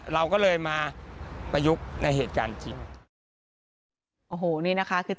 เราก็เลยมาประยุกต์ในเหตุการณ์จริง